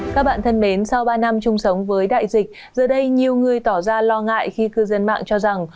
các bạn thân mến sau ba năm chung sống với đại dịch giờ đây nhiều người tỏ ra lo ngại khi cư dân mạng cho rằng